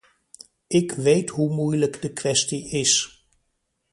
Ik weet hoe moeilijk de kwestie is.